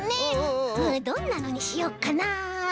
どんなのにしよっかな？